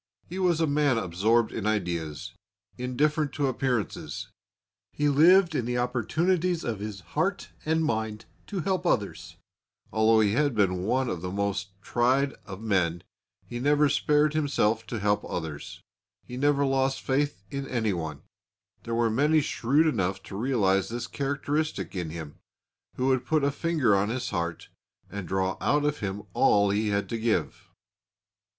He was a man absorbed in ideas, indifferent to appearances. He lived in the opportunities of his heart and mind to help others; although he had been one of the most tried of men, he had never spared himself to help others. He never lost faith in anyone. There were many shrewd enough to realise this characteristic in him, who would put a finger on his heart and draw out of him all he had to give.